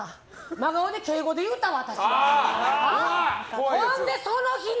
真顔で敬語で言うたわ。